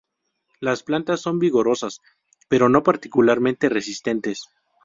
Las plantas son vigorosas, pero no particularmente resistentes.